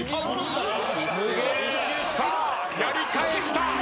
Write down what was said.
さあやり返した。